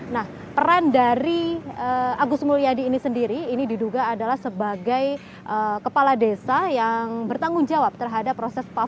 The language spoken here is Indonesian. nah peran dari agus mulyadi ini sendiri ini diduga adalah sebagai kepala desa yang bertanggung jawab terhadap proses pembangunan